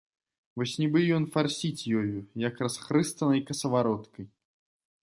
Вось нібы ён фарсіць ёю, як расхрыстанай касавароткай.